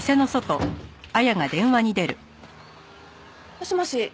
もしもし？